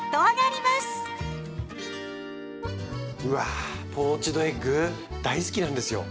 うわポーチドエッグ大好きなんですよ。